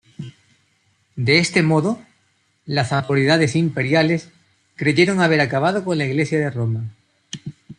De este modo las autoridades imperiales creyeron haber acabado con la Iglesia de Roma.